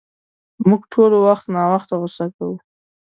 مونږ ټول وخت ناوخته غصه کوو.